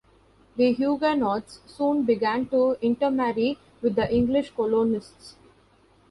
The Huguenots soon began to intermarry with the English colonists.